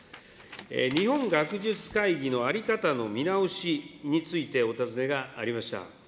日本学術会議の在り方の見直しについてお尋ねがありました。